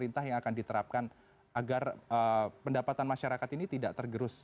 pemerintah yang akan diterapkan agar pendapatan masyarakat ini tidak tergerus